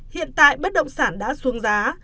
hiện tại bất động sản đã xuống giá